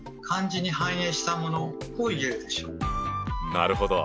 なるほど。